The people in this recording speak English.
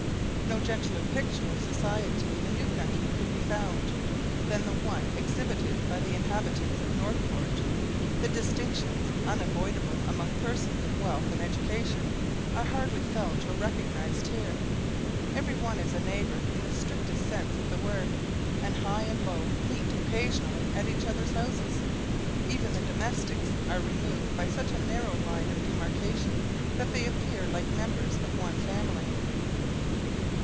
No gentler picture of society in a new country could be found, than the one exhibited by the inhabitants of Northport. The distinctions, unavoidable among persons of wealth and education, are hardly felt or recognised here. Every one is a neighbour in the strictest sense of the word and high and low meet occasionally at each other's houses. Even the domestics are removed by such a narrow line of demarcation, that they appear like members of one family.